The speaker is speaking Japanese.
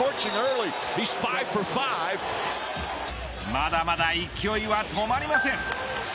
まだまだ勢いは止まりません。